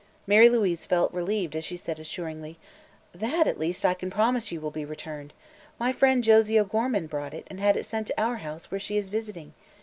Mary Louise felt relieved as she said assuringly: "That, at least, I can promise you will be returned. My friend, Josie O'Gorman, bought it and had it sent to our house, where she is visiting.